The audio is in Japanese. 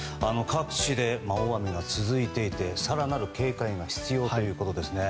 各地で大雨が続いていて更なる警戒が必要ということですね。